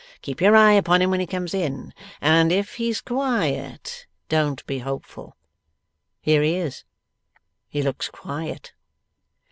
Keep your eye upon him when he comes in, and, if he's quiet, don't be hopeful. Here he is! He looks quiet.